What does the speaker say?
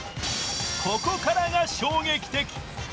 ここからが衝撃的。